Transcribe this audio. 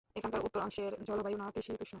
এখানকার উত্তর অংশের জলবায়ু নাতিশীতোষ্ণ।